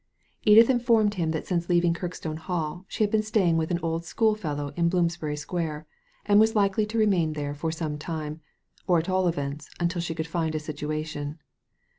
Edith informed him that since leaving Kirkstone Hall she had been staying with an old schoolfellow in Bloomsbury Square, and was likely to remain there for some time, or at all events until she could find a situation.